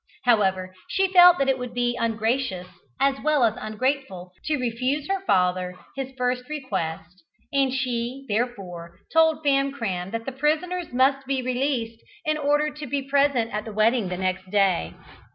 However, she felt that it would be ungracious, as well as ungrateful, to refuse her father his first request, and she, therefore, told Famcram that the prisoners must be released in order to be present at the wedding next day.